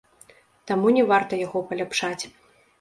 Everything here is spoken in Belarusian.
Таму не варта яго паляпшаць.